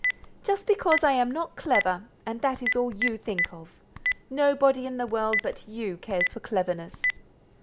"Just because I am not clever, and that is all you think of. Nobody in the world but you cares for cleverness."